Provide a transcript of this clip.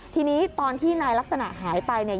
ทีนี้ตอนที่นายลักษณะหายไปเนี่ย